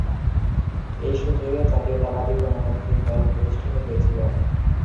এই সুযোগে ‘জাতীয়তাবাদী গণতান্ত্রিক দল’ প্রতিষ্ঠিত হয়েছিল।